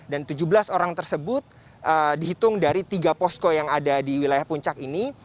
tujuh belas orang tersebut dihitung dari tiga posko yang ada di wilayah puncak ini